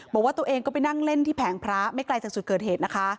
บอกว่าตัวเองก็ไปนั่งเล่นที่แผงพระไม่ไกลจากจุดเกิดเหตุนะคะ